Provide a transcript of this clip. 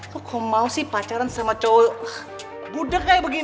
lo kok mau sih pacaran sama cowo budak kayak begini